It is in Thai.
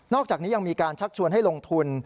อกจากนี้ยังมีการชักชวนให้ลงทุน